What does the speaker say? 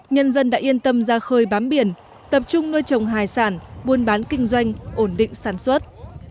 nhân dân đã yên tâm ra khơi bám biển tập trung nuôi trồng hải sản buôn bán kinh doanh ổn định sản xuất